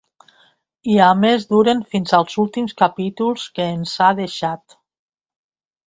I a més duren fins als últims capítols que ens ha deixat.